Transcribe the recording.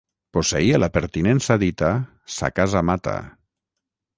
Posseïa la pertinença dita sa Casa Mata.